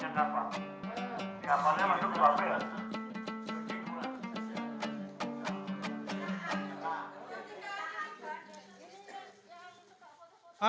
siapannya masuk lupa ya